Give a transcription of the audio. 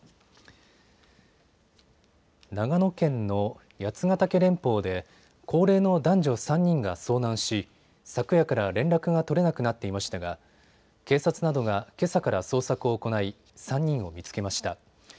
長野県の八ヶ岳連峰で高齢の男女３人が遭難し昨夜から連絡が取れなくなっていましたが警察などがけさから捜索を行い３人を見つけました。